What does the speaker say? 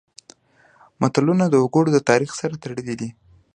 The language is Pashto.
متلونه د وګړو د تاریخ سره تړلي دي